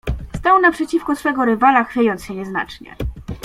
"Stał naprzeciwko swego rywala, chwiejąc się nieznacznie."